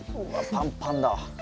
パンパンだわ。